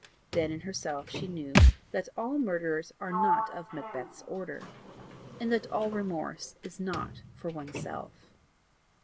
Then in herself she knew that all murderers are not of Macbeth's order, and that all remorse is not for oneself.